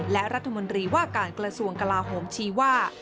และรัฐมนตรีว่าการกระทรวงกลาโหมชี้ว่า